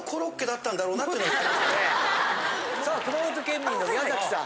さあ熊本県民の宮崎さん。